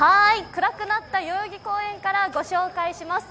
暗くなった代々木公園からご紹介します。